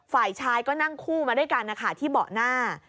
ฝ่ายชายก็นั่งคู่มาด้วยกันนะคะที่เบาะหน้า